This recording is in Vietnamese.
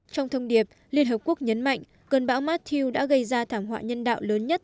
trong thông điệp liên hợp quốc nhấn mạnh cơn bão mathieu đã gây ra thảm họa nhân đạo lớn nhất